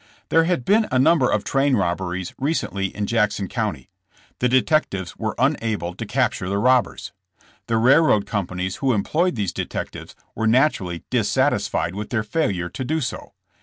There had been a num ber of train robberies recently in Jackson County. The detectives were unable to capture the robbers. The railroad companies who employed these detec tives, were naturally dissatisfied with their failure to do so.